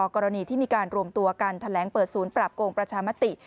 กรณีที่มีการรวมตัวกันแถลงเปิดศูนย์ปราบโกงประชามติ